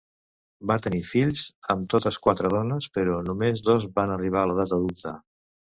Va tenir fills amb totes quatre dones, però només dos van arribar a l'edat adulta.